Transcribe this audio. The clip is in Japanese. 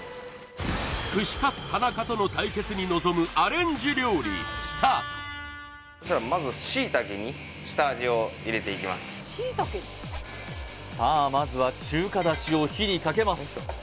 串カツ田中との対決に臨むではまずさあまずは中華出汁を火にかけます